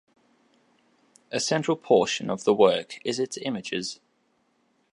A central portion of the work is its images.